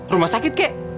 rumah sakit ki